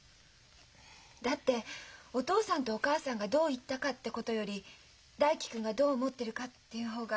だってお父さんとお母さんがどう言ったかってことより大樹君がどう思ってるかっていう方が。